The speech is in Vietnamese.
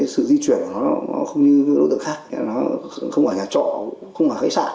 sự di chuyển của nó không như đối tượng khác nó không ở nhà trọ không ở khách sạn